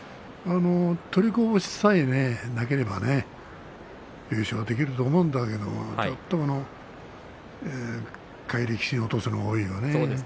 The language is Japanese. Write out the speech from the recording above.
取りこぼしさえなければね優勝できると思うんだけど下位力士に落とすのが多いよね。